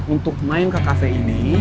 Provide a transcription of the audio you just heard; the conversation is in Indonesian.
untuk main ke kafe ini